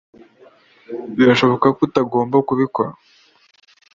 Birashoboka ko utagomba kubikora